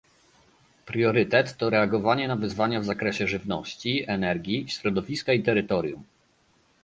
priorytet to reagowanie na wyzwania w zakresie żywności, energii, środowiska i terytorium,